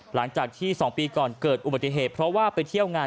หลังจากที่๒ปีก่อนเกิดอุบัติเหตุเพราะว่าไปเที่ยวงาน